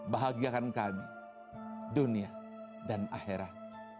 bahagiakan kami dunia dan akhirat